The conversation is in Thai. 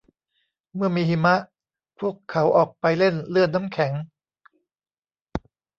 เมื่อมีหิมะ พวกเขาออกไปเล่นเลื่อนน้ำแข็ง